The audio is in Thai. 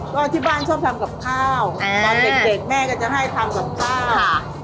ก็ที่บ้านชอบทำกับข้าวตอนเด็กแม่ก็จะให้ทำกับข้าว